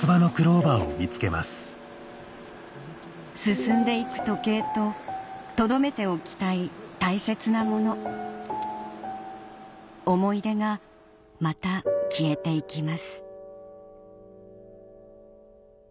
進んでいく時計ととどめておきたい大切なもの思い出がまた消えていきます